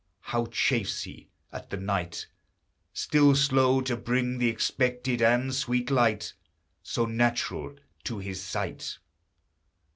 How chafes he at the night, Still slow to bring the expected and sweet light, So natural to his sight!